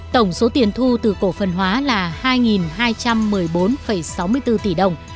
tổng số tiền thu từ cổ phần hóa là hai hai trăm một mươi bốn sáu mươi bốn tỷ đồng